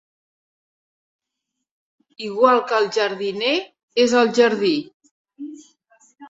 Igual que el jardiner és el jardí.